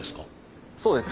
そうです。